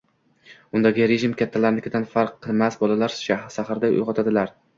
Undagi rejim kattalarnikidan farq qilmas, bolalar saharda uyg’otilar